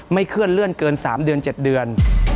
เคลื่อนเลื่อนเกิน๓เดือน๗เดือน